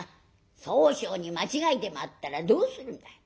宗匠に間違いでもあったらどうするんだい」。